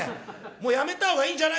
もうやめた方がいいんじゃない？」。